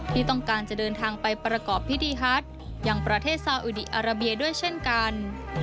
ที่ต้องการจะเดินทางไปประกอบพิธีฮัตยังประเทศซาอุดีอาราเบียด้วยเช่นกัน